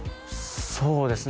そうですね